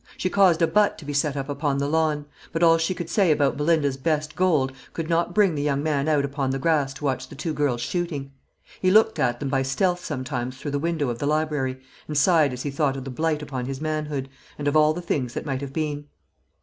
She caused a butt to be set up upon the lawn; but all she could say about Belinda's "best gold" could not bring the young man out upon the grass to watch the two girls shooting. He looked at them by stealth sometimes through the window of the library, and sighed as he thought of the blight upon his manhood, and of all the things that might have been.